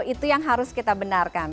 itu yang harus kita benarkan